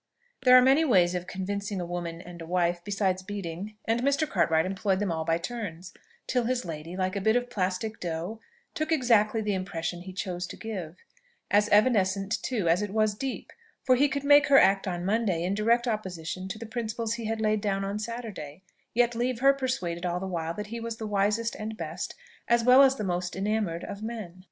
There are many ways of convincing a woman and a wife besides beating and Mr. Cartwright employed them all by turns, till his lady, like a bit of plastic dough, took exactly the impression he chose to give, as evanescent too as it was deep, for he could make her act on Monday in direct opposition to the principles he had laid down on Saturday, yet leave her persuaded all the while that he was the wisest and best, as well as the most enamoured of men.